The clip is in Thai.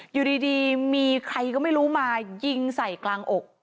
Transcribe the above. อยู่ดีมีใครก็ไม่รู้มายิงใส่กลางอก